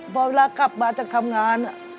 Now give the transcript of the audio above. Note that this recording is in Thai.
พอเวลากลับมาจากทำงาน